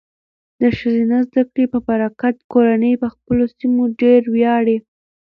د ښځینه زده کړې په برکت، کورنۍ په خپلو سیمو ډیر ویاړي.